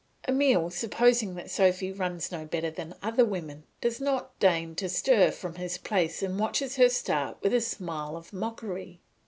Emile, supposing that Sophy runs no better than other women, does not deign to stir from his place and watches her start with a smile of mockery.